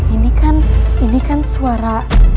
ini kan ini kan suara